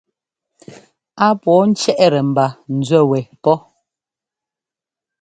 Á pɔ̌ɔ cɛ́ʼtɛ ḿba nzúɛ wɛ pɔ́.